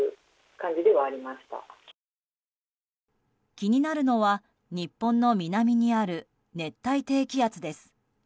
気になるのは日本の南にある熱帯低気圧です。